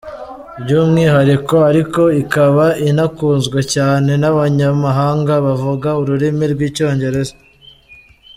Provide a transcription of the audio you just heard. , by’umwihariko ariko ikaba inakunzwe cyane n’abanyamahanga bavuga ururimi rw’icyongereza.